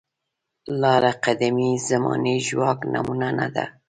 لاره قدیمې زمانې ژواک نمونه نه ده.